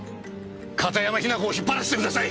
片山雛子を引っ張らせてください！